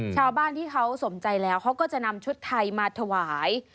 ชาวบ้านที่เขาสมใจแล้วเขาก็จะนำชุดไทยมาถวาย